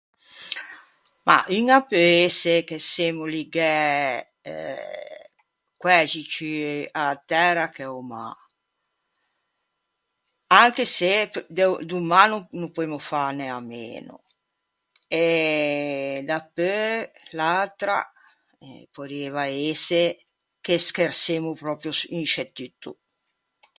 Ma, uña a peu ëse che semmo ligæ eh quæxi ciù a-a tæra che a-o mâ. Anche se p- de o do mâ no no poemmo fâne à meno. E dapeu l'atra porrieiva ëse che schersemmo pròpio s- in sce tutto.